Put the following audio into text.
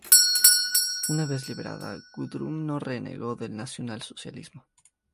Una vez liberada, Gudrun no renegó del nacionalsocialismo.